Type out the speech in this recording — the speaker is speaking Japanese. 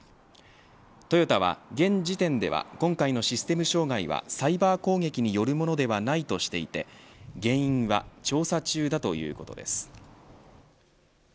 トヨタは現時点では今回のシステム障害はサイバー攻撃によるものではないとしていて原因は調査中だということです。